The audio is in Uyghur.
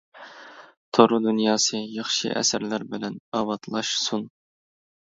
تور دۇنياسى ياخشى ئەسەرلەر بىلەن ئاۋاتلاشسۇن!